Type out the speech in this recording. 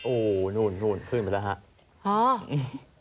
โอ้โหนู่นขึ้นไปแล้วครับ